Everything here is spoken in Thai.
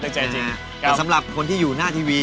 แต่สำหรับคนที่อยู่หน้าทีวี